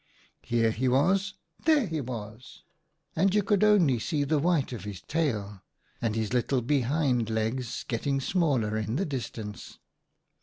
Here he was! there he was! and you could only see the white of his tail and his little behind legs getting small in the distance.